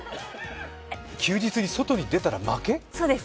休日に外に出たら負け？